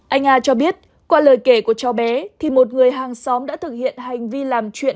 anh a cho biết qua lời kể của cháu bé thì một người hàng xóm đã thực hiện hành vi làm chuyện